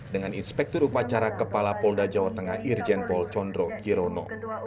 dengan inspektur upacara kepala polda jawa tengah irjen pol condro girono